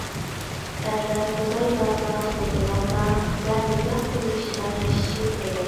ئەرلەر بازارلاردا، سودىلاردا ۋە نىكاھ تۇرمۇشىدا ياشىشى كېرەك.